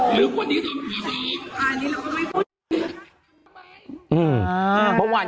หรือตากล่ะ